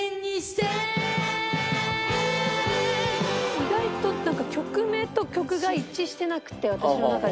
意外と曲名と曲が一致してなくて私の中で。